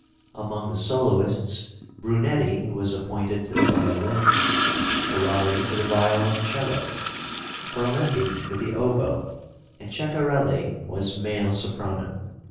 Among the soloists Brunetti was appointed to the violin, Ferrari to the violoncello, Ferlendi to the oboe, and Ceccarelli was male soprano.